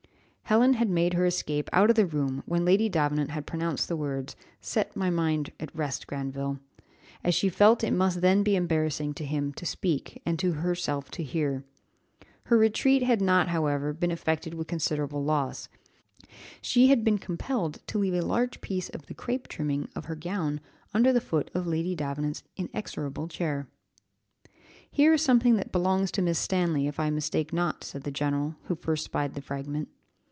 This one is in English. Helen had made her escape out of the room when Lady Davenant had pronounced the words, "Set my mind at rest, Granville," as she felt it must then be embarrassing to him to speak, and to herself to hear. Her retreat, had not, however, been effected with considerable loss, she had been compelled to leave a large piece of the crape trimming of her gown under the foot of Lady Davenant's inexorable chair. "Here is something that belongs to Miss Stanley, if I mistake not," said the general, who first spied the fragment.